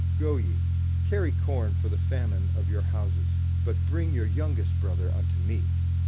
Go ye, carry corn for the famine of your houses, but bring your youngest brother unto me."